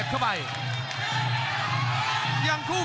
คมทุกลูกจริงครับโอ้โห